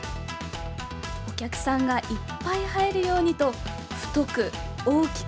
お客さんがいっぱい入るようにと太く！